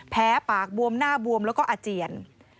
ปากบวมหน้าบวมแล้วก็อาเจียน